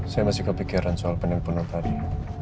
saya masih kepikiran soal penelponan tadi